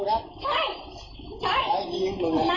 เมาวิ่งเหมือนพ่อมู้นะ